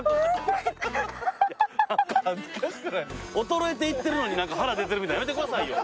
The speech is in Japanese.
衰えていってるのに何か腹出てるみたいなやめてくださいよ。